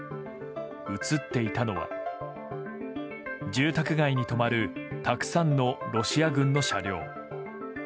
写っていたのは住宅街に止まるたくさんのロシア軍の車両。